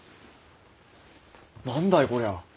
何だいこりゃ？